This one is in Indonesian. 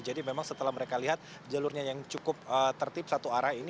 jadi memang setelah mereka lihat jalurnya yang cukup tertip satu arah ini